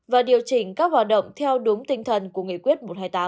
và điều chỉnh các hoạt động theo đúng tinh thần của nghị quyết một trăm hai mươi tám